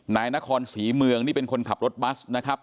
นายนครศรีเมืองนี่เป็นคนขับรถบัสนะครับ